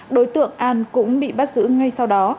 đối tượng an cũng bị bắt giữ ngay sau đó